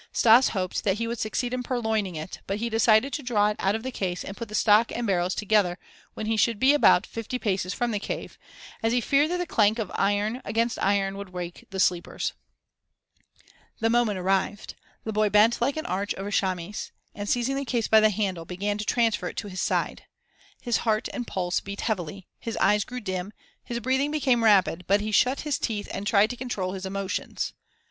Stas hoped that he would succeed in purloining it, but he decided to draw it out of the case and put the stock and the barrels together when he should be about fifty paces from the cave, as he feared that the clank of the iron against iron would wake the sleepers. The moment arrived. The boy bent like an arch over Chamis and, seizing the case by the handle, began to transfer it to his side. His heart and pulse beat heavily, his eyes grew dim, his breathing became rapid, but he shut his teeth and tried to control his emotions.